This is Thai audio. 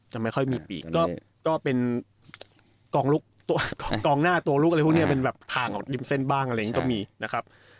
ไม่ค่อยมีปีกก็เป็นกองหน้าตัวลุกอะไรพวกนี้เป็นแบบทางออกริมเส้นบ้างอะไรอย่างนี้ก็มีนะครับ